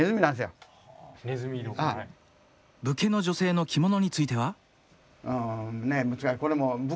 武家の女性の着物については。